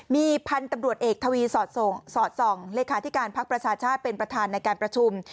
มีพันธุ์ตำรวจเอกทวีสอดส่องเลขาธิการพักประชาชาติเป็นประธานในการประชุม